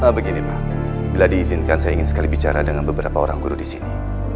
begini pak bila diizinkan saya ingin sekali bicara dengan beberapa orang guru di sini